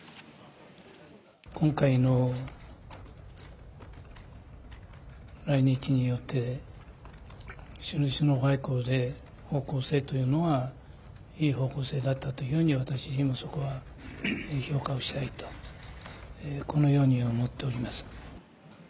今回の来日によって、首脳外交で方向性というのは、いい方向性だったというふうに、私自身もそこは評価をしたいと、このように思っております。